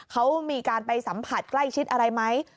เขามีการไปสัมผัสใกล้ชิดอะไรไหม